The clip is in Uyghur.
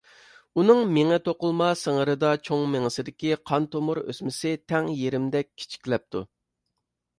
ئۇنىڭ مېڭە توقۇلما سىڭىرىدا چوڭ مېڭىسىدىكى قان تومۇر ئۆسمىسى تەڭ يېرىمدەك كىچىكلەپتۇ.